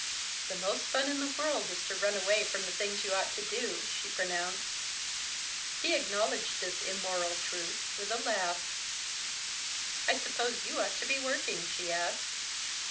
"The most fun in the world is to run away from the things you ought to do," she pronounced. He acknowledged this immoral truth with a laugh. "I suppose you ought to be working?" she asked.